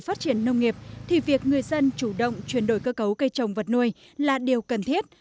phát triển nông nghiệp thì việc người dân chủ động chuyển đổi cơ cấu cây trồng vật nuôi là điều cần thiết